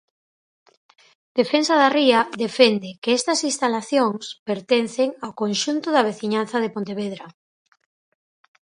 Defensa da Ría defende que estas instalacións pertencen ao conxunto da veciñanza de Pontevedra.